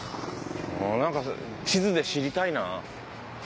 なんか地図で知りたいな。